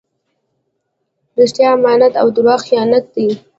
رښتیا امانت او درواغ خیانت دئ.